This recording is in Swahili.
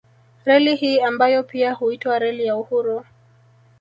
Reli hii ambayo pia huitwa Reli ya Uhuru